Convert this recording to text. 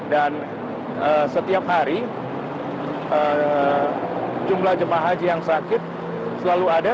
dan setiap hari jumlah jum'ah haji yang sakit selalu ada